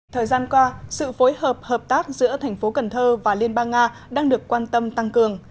thời gian qua sự phối hợp hợp tác giữa thành phố cần thơ và liên bang nga đang được quan tâm tăng cường